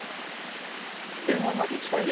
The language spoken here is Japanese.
前半は１対０。